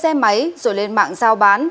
xe máy rồi lên mạng giao bán